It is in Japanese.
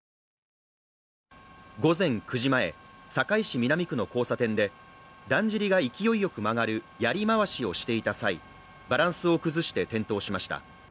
午前９時前、堺市南区の交差点でだんじりが勢いよく曲がるやりまわしをしていた際、バランスを崩して転倒しました。